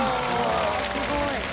すごい。